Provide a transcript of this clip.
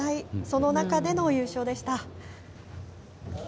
その中での優勝でした。